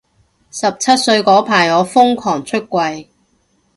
十七歲嗰排我瘋狂出櫃